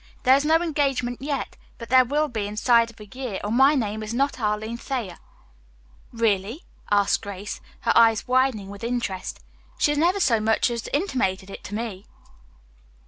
There is no engagement yet, but there will be inside of a year or my name is not Arline Thayer." "Really?" asked Grace, her eyes widening with interest. "She has never so much as intimated it to me."